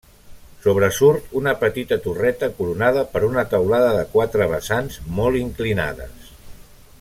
Sobresurt una petita torreta coronada per una teulada de quatre vessants molt inclinades.